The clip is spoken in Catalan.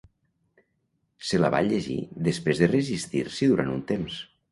Se la va llegir després de resistir-s'hi durant un temps.